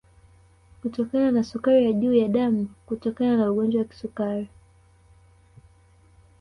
Kutokana na sukari ya juu ya damu kutokana na ugonjwa wa kisukari